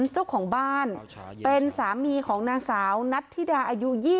เจ้าของบ้านเป็นสามีของนางสาวนัทธิดาอายุ๒๐